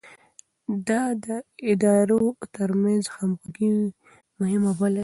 ده د ادارو ترمنځ همغږي مهمه بلله.